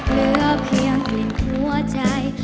ล้อเคียงกลิ่นหัวใจ